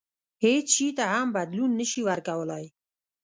هیڅ شي ته هم بدلون نه شي ورکولای.